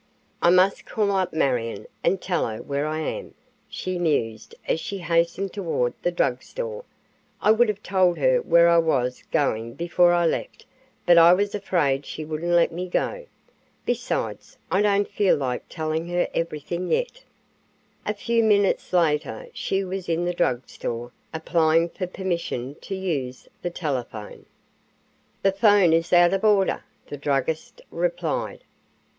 "I must call up Marion and tell her where I am," she mused as she hastened toward the drug store. "I would have told her where I was going before I left, but I was afraid she wouldn't let me go. Besides, I don't feel like telling her everything yet." A few minutes later she was in the drug store applying for permission to use the telephone. "The phone is out of order," the druggist replied.